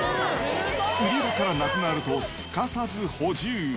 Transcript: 売り場からなくなると、すかさず補充。